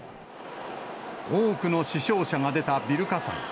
多くの死傷者が出たビル火災。